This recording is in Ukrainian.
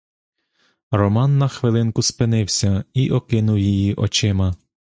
Роман на хвилинку спинився і окинув її очима.